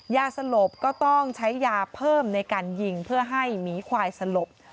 ยาสลบก็ต้องใช้ยาเพิ่มในการยิงเพื่อให้หมีควายสลบ